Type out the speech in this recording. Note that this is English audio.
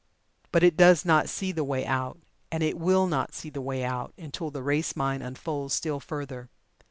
But it does not see the way out! And it will not see the way out, until the race mind unfolds still further.